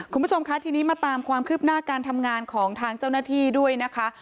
คุณผู้ชมคะทีนี้มาตามความคืบหน้าการทำงานของทางเจ้าหน้าที่ด้วยนะคะ